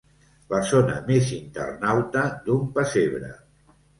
La zona més internauta d'un pessebre.